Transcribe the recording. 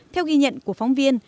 theo ghi nhận của phóng viên